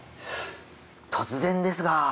突然ですが。